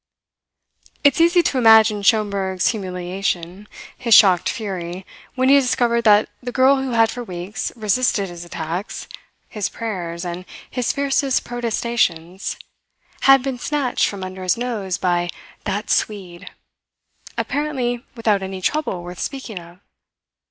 It's easy to imagine Schomberg's humiliation, his shocked fury, when he discovered that the girl who had for weeks resisted his attacks, his prayers, and his fiercest protestations, had been snatched from under his nose by "that Swede," apparently without any trouble worth speaking of.